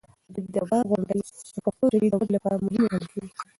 د ادبي دربار غونډې د پښتو ژبې د ودې لپاره مهمې ګڼل کېدې.